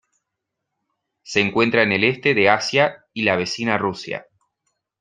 Se encuentra en el Este de Asia y la vecina Rusia.